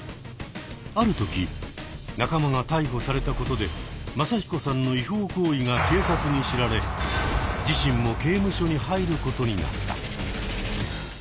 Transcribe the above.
ある時仲間が逮捕されたことでマサヒコさんの違法行為が警察に知られ自身も刑務所に入ることになった。